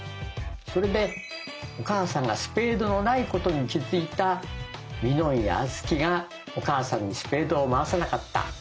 それでお母さんがスペードのないことに気づいたみのんや敦貴がお母さんにスペードを回さなかった。